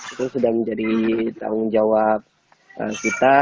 itu sudah menjadi tanggung jawab kita